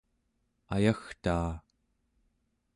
ayagtaa